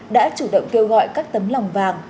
đã chủ động kêu gọi các tấm lòng vàng